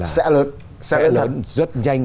sẽ lớn rất nhanh